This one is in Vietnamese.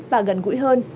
và gần gũi hơn